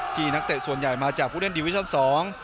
นักเตะส่วนใหญ่มาจากผู้เล่นดิวิชั่นสอง